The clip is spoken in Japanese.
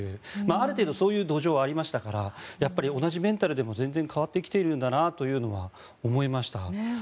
ある程度そういう土壌はありましたから同じメンタルでも全然変わってきているんだなと思いました。